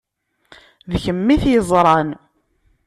D kemm i t-yeṛẓan.